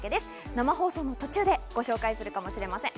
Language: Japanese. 生放送の途中でご紹介するかもしれません。